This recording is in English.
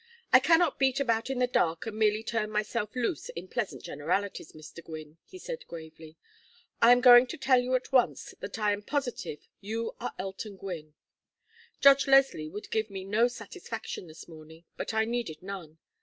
"I cannot beat about in the dark and merely turn myself loose in pleasant generalities, Mr. Gwynne," he said, gravely. "I am going to tell you at once that I am positive you are Elton Gwynne. Judge Leslie would give me no satisfaction this morning, but I needed none.